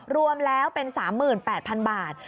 รวมแล้วเป็น๓๘๐๐๐บาท